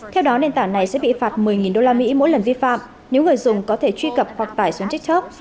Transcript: theo đó nền tảng này sẽ bị phạt một mươi đô la mỹ mỗi lần vi phạm nếu người dùng có thể truy cập hoặc tải xuống tiktok